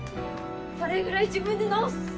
これぐらい自分で直す！